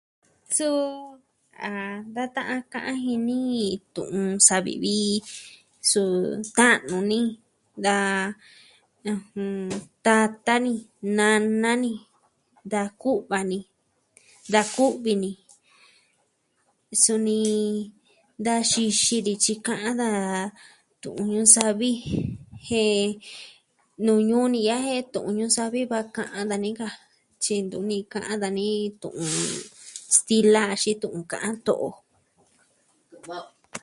Suu, a da ta'an ka'an jin ni tu'un savi vi suu, ta'nu ni, da... ɨjɨn, tata ni, nana ni, da ku'va ni, da ku'vi ni. suni da xixi dityi ka'an daa tu'un Ñuu Savi. Jen nuu ñuu ni ya'a jen tu'un Ñuu Savi va ka'an dani ka. Tyu ntuni ka'an dani tu'un stila axin tu'un ka'an to'o.